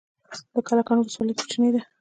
د کلکان ولسوالۍ کوچنۍ ده